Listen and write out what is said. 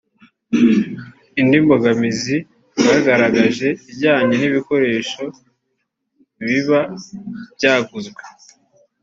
Indi mbogamizi bagaragaje ijyanye n’ibikoresho biba byaguzwe